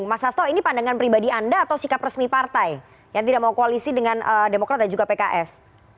mas sasto ini pandangan pribadi anda atau sikap resmi partai yang tidak mau koalisi dengan demokrat dan juga pks